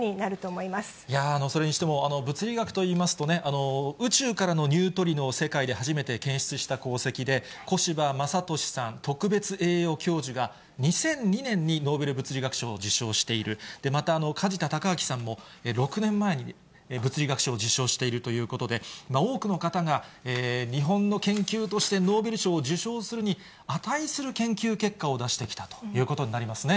いやぁ、それにしても、物理学といいますと、宇宙からのニュートリノを世界で初めて検出した功績で、小柴昌俊さん、特別栄誉教授が、２００２年にノーベル物理学賞を受賞している、また、梶田隆章さんも、６年前に物理学賞を受賞しているということで、多くの方が日本の研究としてノーベル賞を受賞するに値する研究結果を出してきたということになりますね。